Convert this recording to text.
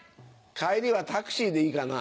帰りはタクシーでいいかな？